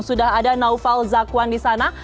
sudah ada naufal zakwan di sana